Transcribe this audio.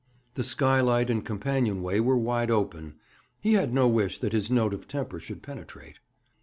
The skylight and companion way were wide open; he had no wish that his note of temper should penetrate.